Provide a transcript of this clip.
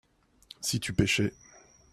si tu pêchais.